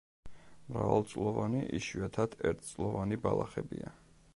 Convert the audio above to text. მრავალწლოვანი, იშვიათად ერთწლოვანი ბალახებია.